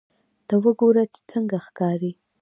ته وګوره چې څنګه ښکاري